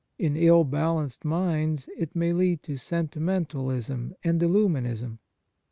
In ill balanced minds it may lead to sentimentalism and illuminism.